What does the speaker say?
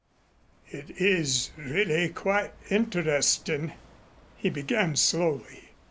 "It is really quite interestin'," he began slowly.